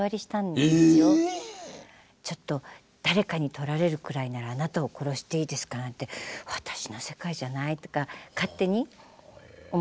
「誰かに盗られるくらいならあなたを殺していいですか」なんて私の世界じゃないとか勝手に思ってたんですけども。